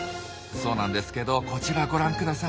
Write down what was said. そうなんですけどこちらご覧ください。